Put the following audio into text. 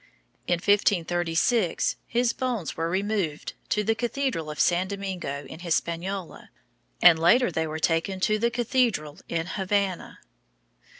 In 1536 his bones were removed to the Cathedral of San Domingo in Hispaniola, and later they were taken to the cathedral in Havana.